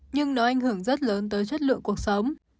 nhưng nó ảnh hưởng rất lớn tới chất lượng cuộc sống